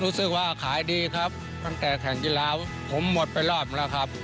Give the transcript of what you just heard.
รู้สึกว่าขายดีครับตั้งแต่แผ่นที่แล้วผมหมดไปรอบแล้วครับ